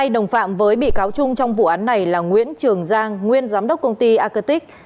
hai đồng phạm với bị cáo trung trong vụ án này là nguyễn trường giang nguyên giám đốc công ty acatic